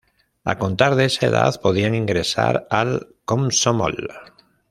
A contar de esa edad podían ingresar al Komsomol.